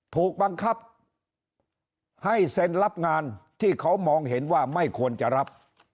ถูกบังคับให้เซ็นรับงานที่เขามองเห็นว่าไม่ควรจะรับ